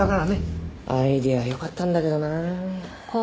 アイデアはよかったんだけどなあ。